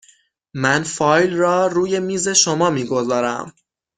من فایل را روی میز شما می گذارم.